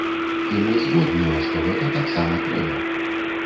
І мы згодныя, што гэта таксама трэба.